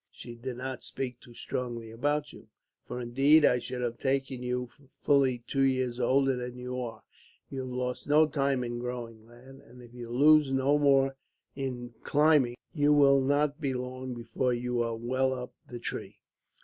"She did not speak too strongly about you, for indeed I should have taken you for fully two years older than you are. You have lost no time in growing, lad, and if you lose no more in climbing, you will not be long before you are well up the tree.